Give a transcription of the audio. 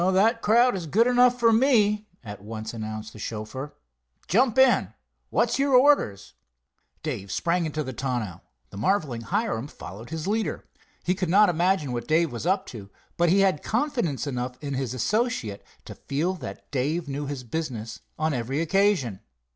"That crowd is good enough for me," at once announced the chauffeur. "Jump in. What's your orders?" Dave sprang into the tonneau. The marvelling Hiram followed his leader. He could not imagine what Dave was up to, but he had confidence enough in his associate to feel that Dave knew his business on every occasion.